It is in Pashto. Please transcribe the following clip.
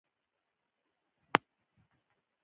د حجرې اصلي دندې کومې دي؟